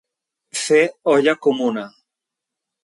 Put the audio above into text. Fer olla comuna.